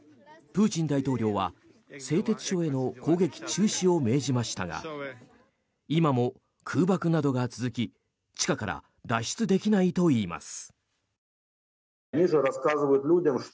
プーチン大統領は、製鉄所への攻撃中止を命じましたが今も空爆などが続き、地下から脱出できないといいます。